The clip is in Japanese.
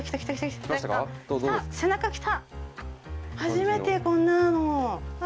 初めてこんなの。